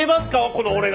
この俺が！